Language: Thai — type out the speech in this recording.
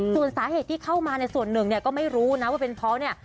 ส่วนสาเหตุที่เข้ามาในส่วนหนึ่งเนี่ยก็ไม่รู้นะว่าเป็นเพราะเนี่ย